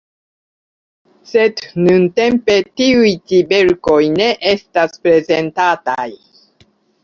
Sed nuntempe tiuj ĉi verkoj ne estas prezentataj.